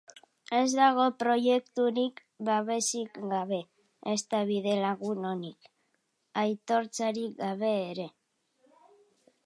Ez dago proiekturik babesik gabe, ezta bidelagun onik, aitortzarik gabe ere.